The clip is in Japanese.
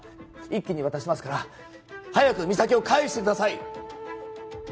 一気に渡しますから早く実咲を返してください